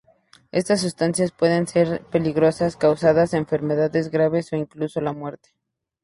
Estas sustancias pueden ser peligrosas, causando enfermedades graves o incluso la muerte.